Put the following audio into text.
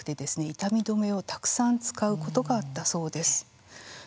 痛み止めをたくさん使うことがあったそうです。